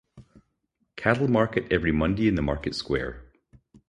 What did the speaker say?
Cattle market every Monday in the market square.